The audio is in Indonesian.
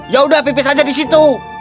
yaudah pipis aja disitu